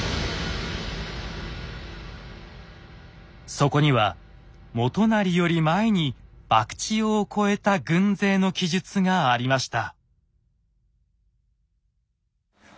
そこには元就より前に博打尾を越えた軍勢の記述がありました。